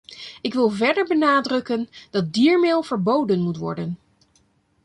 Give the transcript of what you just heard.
Ik wil verder benadrukken dat diermeel verboden moet worden.